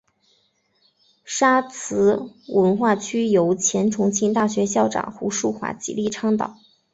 沙磁文化区由前重庆大学校长胡庶华极力倡导。